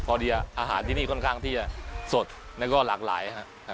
เดียอาหารที่นี่ค่อนข้างที่จะสดแล้วก็หลากหลายครับ